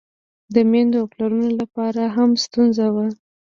د میندو او پلرونو له پاره هم ستونزه وه.